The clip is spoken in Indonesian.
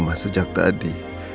mama sejak tadi